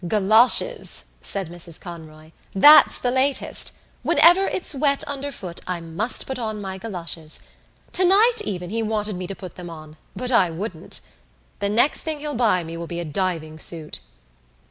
"Goloshes!" said Mrs Conroy. "That's the latest. Whenever it's wet underfoot I must put on my goloshes. Tonight even he wanted me to put them on, but I wouldn't. The next thing he'll buy me will be a diving suit."